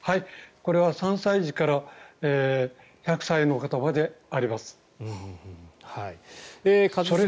これは３歳児から１００歳の方まであります。